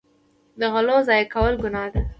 د غلو ضایع کول ګناه ده.